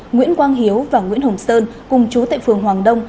nguyễn quang hiếu và nguyễn hồng sơn cùng chú tại phường hoàng đông